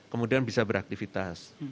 kemudian bisa beraktivitas